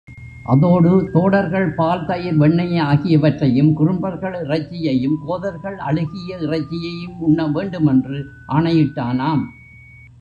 அதோடு, தோடர்கள் பால், தயிர், வெண்ணெய் ஆகியவற்றையும், குறும்பர்கள் இறைச்சியையும், கோதர்கள் அழுகிய இறைச்சியையும் உண்ண வேண்டுமென்று ஆணையிட்டானாம்.